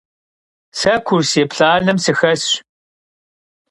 Se kurs yêplh'anem sıxesş.